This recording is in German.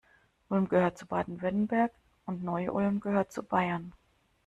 Ulm gehört zu Baden-Württemberg und Neu-Ulm gehört zu Bayern.